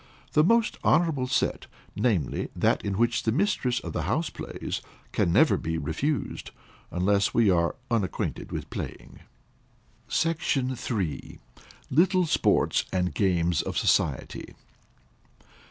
The most honorable set, namely, that in which the mistress of the house plays, can never be refused, unless we are unacquainted with playing. SECTION III. _Little Sports and Games of Society.